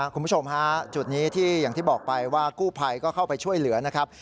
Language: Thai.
คุณผู้ชมฮะจุดนี้ที่อย่างที่บอกไปว่ากู้ภัยก็เข้าไปช่วยเหลือนะครับ